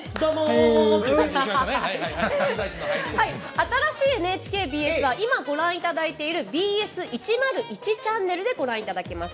新しいＮＨＫＢＳは今、ご覧いただいているＢＳ１０１チャンネルでご覧いただけます。